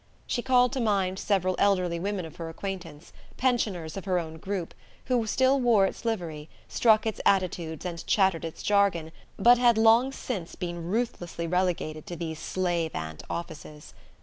She called to mind several elderly women of her acquaintance, pensioners of her own group, who still wore its livery, struck its attitudes and chattered its jargon, but had long since been ruthlessly relegated to these slave ant offices.